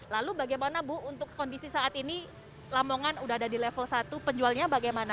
lalu bagaimana bu untuk kondisi saat ini lamongan sudah ada di level satu penjualnya bagaimana